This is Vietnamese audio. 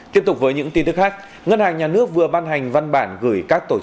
tiếp tục với những tin tức khác ngân hàng nhà nước vừa ban hành văn bản gửi các tổ chức